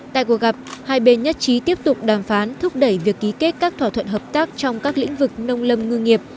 tại cuộc gặp hai bên nhất trí tiếp tục đàm phán thúc đẩy việc ký kết các thỏa thuận hợp tác trong các lĩnh vực nông lâm ngư nghiệp